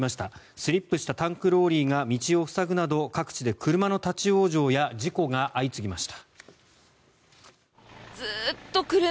スリップしたタンクローリーが道を塞ぐなど各地で車の立ち往生や事故が相次ぎました。